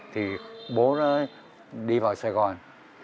thì bố nó đi vào sài gòn